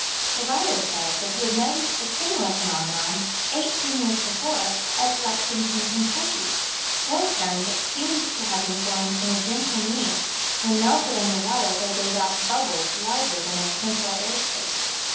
The writer says that he had noticed a similar phenomenon, eighteen years before, at Lexington, Kentucky. Hailstones that seemed to have been formed in a denser medium: when melted under water they gave out bubbles larger than their central air spaces.